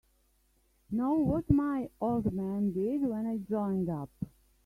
Know what my old man did when I joined up?